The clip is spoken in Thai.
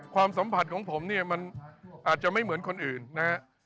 ความสัมผัสของผมเนี่ยมันอาจจะไม่เหมือนคนอื่นนะฮะ